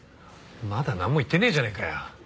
まだなんも言ってねえじゃねえかよ。